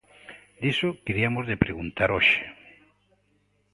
Diso queriámoslle preguntar hoxe.